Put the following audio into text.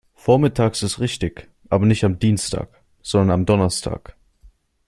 Vormittags ist richtig, aber nicht am Dienstag, sondern am Donnerstag.